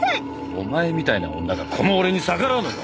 お前みたいな女がこの俺に逆らうのか？